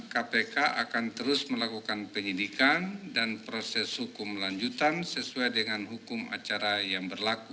kpk akan terus melakukan penyidikan dan proses hukum lanjutan sesuai dengan hukum acara yang berlaku